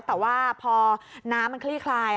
แต่ว่าพอน้ำมันคลี่คลาย